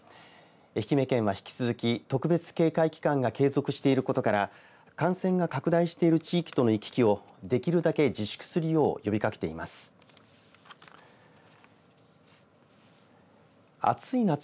愛媛県は引き続き特別警戒期間が継続していることから感染が拡大してる地域との行き来をできるだけ自粛するよう呼びかけています。